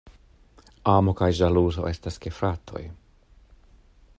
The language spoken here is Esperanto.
Amo kaj ĵaluzo estas gefratoj.